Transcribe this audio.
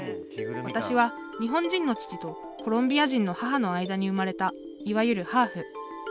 私は日本人の父とコロンビア人の母の間に生まれたいわゆるハーフ。